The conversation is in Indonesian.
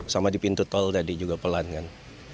sama di pintu tol tadi juga pelan kan